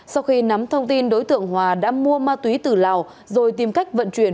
sau khi nắm thông tin đối tượng hòa đã mua ma túy từ lào rồi tìm cách vận chuyển